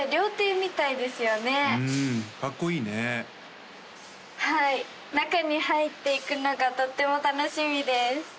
うんかっこいいねはい中に入っていくのがとっても楽しみです